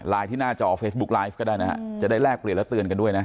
ที่หน้าจอเฟซบุ๊กไลฟ์ก็ได้นะฮะจะได้แลกเปลี่ยนแล้วเตือนกันด้วยนะ